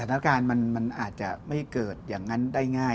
พยายามส่งสัญญาณว่าพักเสียงข้างมาก